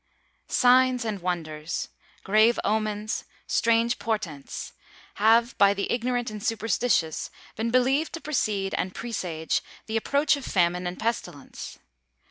Signs and wonders, grave omens, strange portents, have by the ignorant and superstitious been believed to precede and presage the approach of famine and pestilence.